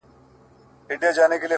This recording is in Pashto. داده ميني ښار وچاته څه وركوي ـ